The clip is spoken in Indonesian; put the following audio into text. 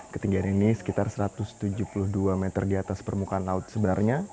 ketinggian ini sekitar satu ratus tujuh puluh dua meter di atas permukaan laut sebenarnya